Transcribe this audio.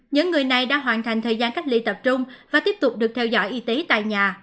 những người này đã hoàn thành thời gian cách ly tập trung và tiếp tục được theo dõi y tế tại nhà